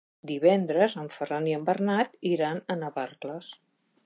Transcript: Divendres en Ferran i en Bernat iran a Navarcles.